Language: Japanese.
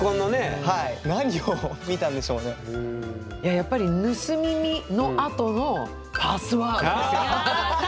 やっぱり「盗み見」のあとの「パスワード」ですよ。